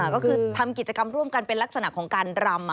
ก็คือทำกิจกรรมร่วมกันเป็นลักษณะของการรำ